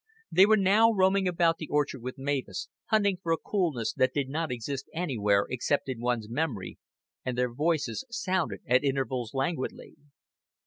They were now roaming about the orchard with Mavis, hunting for a coolness that did not exist anywhere except in one's memory, and their voices sounded at intervals languidly.